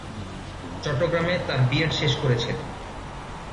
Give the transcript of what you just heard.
চট্টগ্রামে তার বিএড শেষ করেছেন।